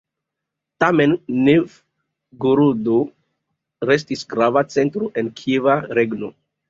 Tamen Novgorodo restis grava centro en Kieva regno.